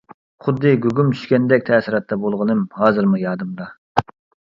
خۇددى گۇگۇم چۈشكەندەك تەسىراتتا بولغىنىم ھازىرمۇ يادىمدا.